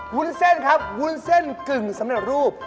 วุ้นเส้นครับวุ้นเส้นกึ่งสำเร็จรูป